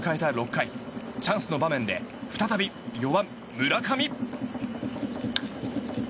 ６回チャンスの場面で再び４番、村上。